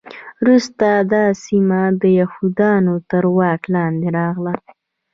وروسته دا سیمه د یهودانو تر واک لاندې راغله.